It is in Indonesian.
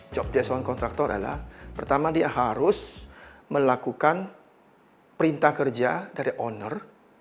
job desain kontraktor adalah pertama dia harus melakukan perintah kerja dari owner